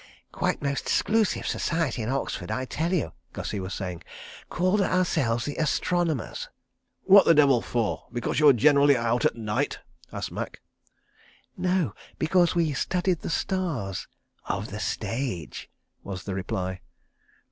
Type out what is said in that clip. ... "Quite most 'sclusive Society in Oxford, I tell you," Gussie was saying. "Called ourselves The Astronomers. ..." "What the devil for? Because you were generally out at night?" asked Macke. "No—because we studied the Stars—of the Stage," was the reply.